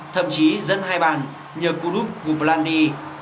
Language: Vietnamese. thậm chí dân hai bàn nhờ cú đúc của blandi